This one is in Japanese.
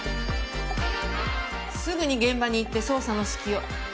すぐに現場に行って捜査の指揮を。